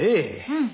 うん。